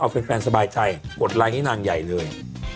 เอาแฟนสบายใจกดไลค์ให้นางใหญ่เลย